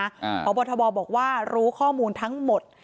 พบทบบอกว่ารู้ข้อมูลทั้งหมด